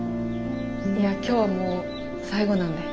いや今日はもう最後なんで。